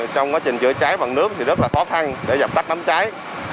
trong quá trình chữa cháy bằng nước thì rất là khó khăn để dập tắt đám cháy